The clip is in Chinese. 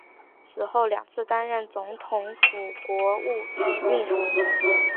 此后两次担任总统府国务秘书。